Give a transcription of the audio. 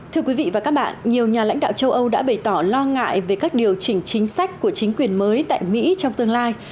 thưa quý vị và các bạn nhiều nhà lãnh đạo châu âu đã bày tỏ lo ngại về các điều chỉnh chính sách của chính quyền mới tại mỹ trong tương lai